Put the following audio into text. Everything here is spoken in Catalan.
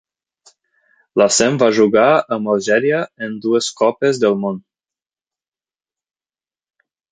Lacen va jugar amb Algèria en dues Copes del Món.